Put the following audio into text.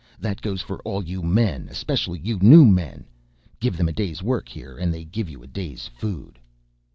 That goes for all you men, specially you new men. Give them a day's work here and they give you a day's food...."